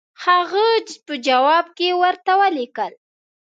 هغه په جواب کې ورته ولیکل.